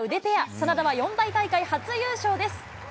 眞田は四大大会初優勝です。